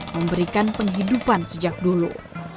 memberikan penghidupan sejak dulu